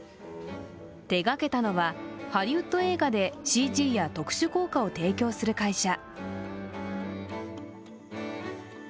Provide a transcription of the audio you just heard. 手がけたのはハリウッド映画でＣＧや特殊効果を提供する会社。